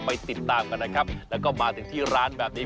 ติดตามกันนะครับแล้วก็มาถึงที่ร้านแบบนี้